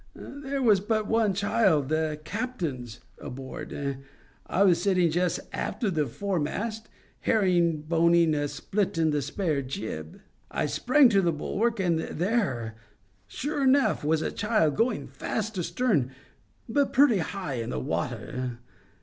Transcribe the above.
There was but one child, the captain's, aboard. I was sitting just aft the foremast, herring boning a split in a spare jib. I sprang to the bulwark, and there, sure enough, was the child, going fast astarn, but pretty high in the water.